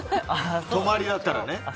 泊りだったらね。